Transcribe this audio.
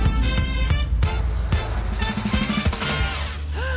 はあ！